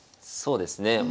そうですね。